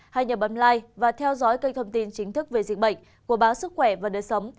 hãy nhớ bấm like và theo dõi kênh thông tin chính thức về diễn bệnh của báo sức khỏe và đời sống